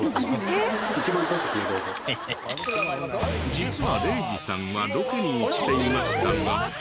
実は礼二さんはロケに行っていましたが。